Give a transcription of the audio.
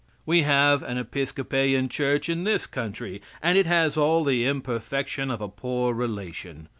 We have an Episcopalian Church in this country, and it has all the imperfection of a poor relation.